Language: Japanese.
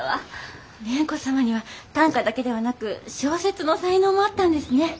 蓮子様には短歌だけではなく小説の才能もあったんですね。